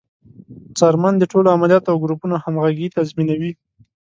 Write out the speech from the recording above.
څارمن د ټولو عملیاتو او ګروپونو همغږي تضمینوي.